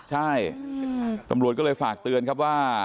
ใช่ตำรวจก็เลยฝากเตือนครับว่า